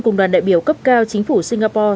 cùng đoàn đại biểu cấp cao chính phủ singapore